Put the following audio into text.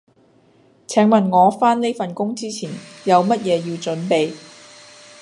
請問我返呢份工之前有乜嘢要準備？